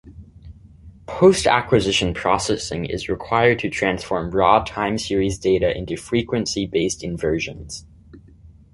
Post-acquisition processing is required to transform raw time-series data into frequency-based inversions.